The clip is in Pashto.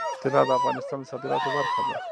طلا د افغانستان د صادراتو برخه ده.